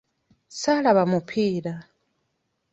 Ssaalaba mupiira.